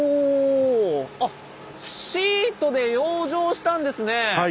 あっシートで養生したんですね。